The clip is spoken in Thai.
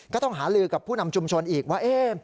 ก็ต้องหาลือกับผู้นำชุมชนอีกว่า